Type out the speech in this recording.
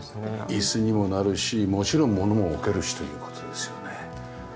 椅子にもなるしもちろん物も置けるしという事ですよね。